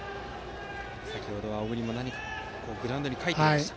先程は、小栗も何かグラウンドに書いていました。